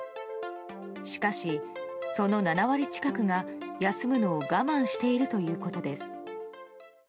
しかし、その７割近くが休むのを我慢しているということです。